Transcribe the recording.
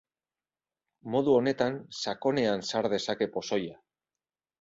Modu honetan sakonean sar dezake pozoia.